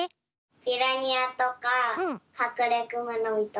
ピラニアとかカクレクマノミとか。